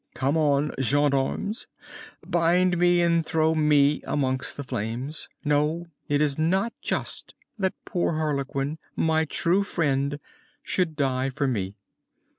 Come on, gendarmes! Bind me and throw me amongst the flames. No, it is not just that poor Harlequin, my true friend, should die for me!"